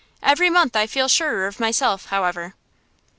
Every month I feel surer of myself, however.